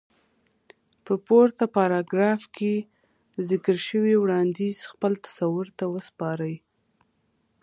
په پورته پاراګراف کې ذکر شوی وړانديز خپل تصور ته وسپارئ.